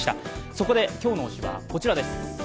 そこで、今日の推しはこちらです。